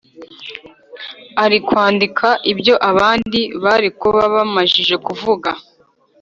Arikwandika ibyo abandi barikuba bamajije kuvuga